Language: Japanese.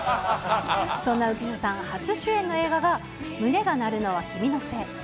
そんな浮所さん、初主演の映画が、胸が鳴るのは君のせい。